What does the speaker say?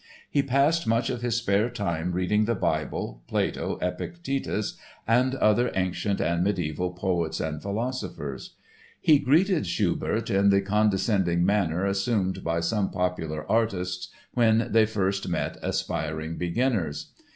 He passed much of his spare time reading the Bible, Plato, Epictetus and other ancient and mediaeval poets and philosophers. He greeted Schubert in the condescending manner assumed by some popular artists when they first met aspiring beginners.